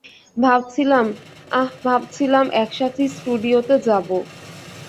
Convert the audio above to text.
ভাবছিলাম, আঃ, ভাবছিলাম একসাথে স্টুডিওতে যাবো।